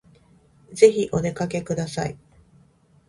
ぜひお出かけください